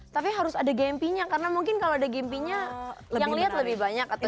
tapi harus ada gempynya karena mungkin kalo ada gempynya yang liat lebih banyak atau gimana